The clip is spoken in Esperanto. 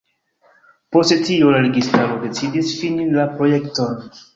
Post tio, la registaro decidis fini la projekton.